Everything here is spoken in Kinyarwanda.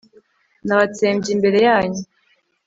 nabatsembye imbere yanyu